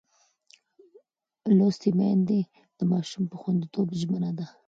لوستې میندې د ماشوم پر خوندیتوب ژمنه ده.